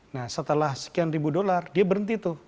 nah setelah sekian ribu dolar dia berhenti tuh